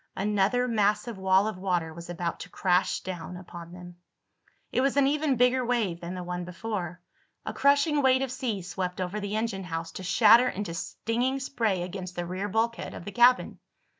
Another massive wall of water was about to crash down upon them. It was an even bigger wave than the one before. A crushing weight of sea swept over the engine house, to shatter into stinging spray against the rear bulkhead of the cabin.